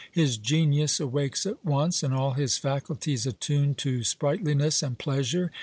His genius awakes at once, and all his faculties attune to sprightliness and pleasure.